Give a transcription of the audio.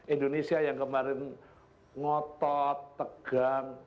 indonesia yang kemarin ngotot tegang